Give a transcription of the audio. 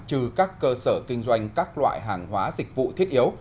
trừ các cơ sở kinh doanh các loại hàng hóa dịch vụ thiết yếu